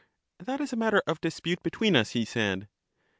That is a matter of dispute between us, he said.